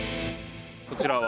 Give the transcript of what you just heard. こちらは？